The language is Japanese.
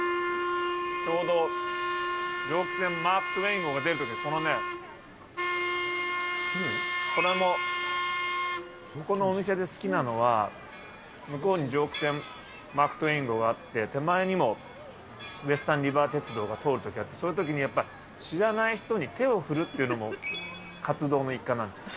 ちょうど蒸気船マークトウェイン号が出るとき、このね、これも、このお店で好きなのは、向こうに蒸気船マークトウェイン号があって、手前にもウェスタンリバー鉄道が通るときあって、そのときにやっぱ、知らない人に手を振るっていうのも、活動の一環なんですよ。